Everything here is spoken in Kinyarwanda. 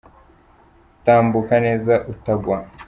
Tambuka neza utagwa.